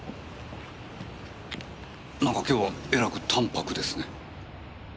なんか今日はえらく淡白ですね。